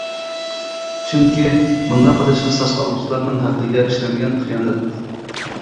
چۈنكى مۇنداق قىلىش قىساس ئالغۇچىلارنىڭ ھەققىگە ئىشلەنگەن خىيانەت.